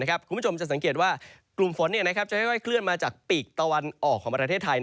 คุณผู้ชมจะสังเกตว่ากลุ่มฝนจะค่อยเคลื่อนมาจากปีกตะวันออกของประเทศไทย